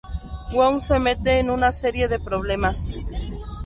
Wong se mete en una serie de problemas.